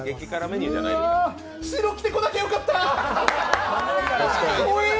白着てこなきゃよかった。